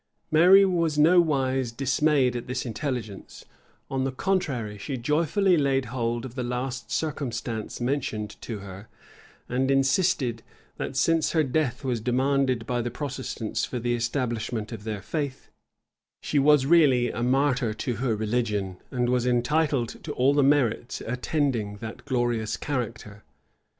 Mary was nowise dismayed at this intelligence: on the contrary, she joyfully laid hold of the last circumstance mentioned to her; and insisted, that since her death was demanded by the Protestants for the establishment of their faith, she was really a martyr to her religion, and was entitled to all the merits attending that glorious character.